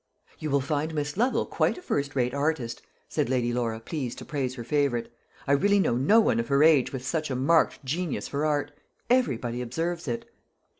"You will find Miss Lovel quite a first rate artist," said Lady Laura, pleased to praise her favourite. "I really know no one of her age with such a marked genius for art. Everybody observes it."